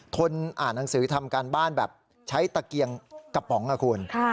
ทนอ่านหนังสือทำการบ้านแบบใช้ตะเกียงกระป๋องนะคุณ